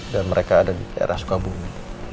dan mereka ada di daerah sukabumi